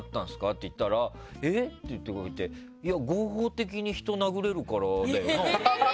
って言ったらえ？とか言っていや、合法的に人を殴れるからだよな。